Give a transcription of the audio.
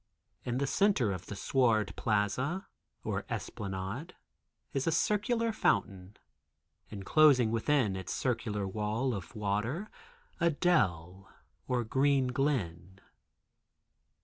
In the center of the sward plaza, or esplanade, is a circular fountain, enclosing within its circular wall of water a dell or green glen.